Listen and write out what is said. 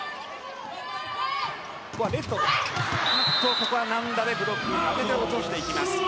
ここはブロックに当てて落としていきます。